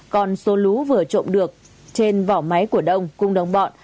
còn số lũ vừa trộm được trên vỏ máy của đông cùng đồng bọn